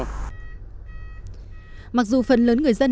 mặc dù phần lớn người dân đã nhận được những bài hỏi